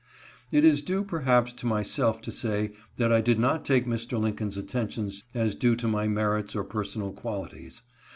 It is due perhaps to myself to say here that I did not take Mr. Lincoln's attentions as due to my merits or per sonal qualities.